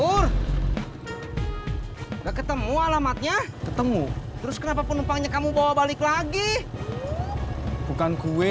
udah ketemu alamatnya ketemu terus kenapa penumpangnya kamu bawa balik lagi bukan kue